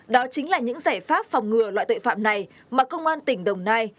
đó chính là những giải pháp phòng ngừa loại tội phạm này mà công an tỉnh đồng nai